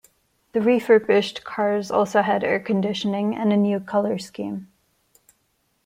The refurbished cars also had air conditioning, and a new colour scheme.